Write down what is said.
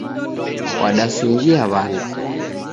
Wadasungia w'andu.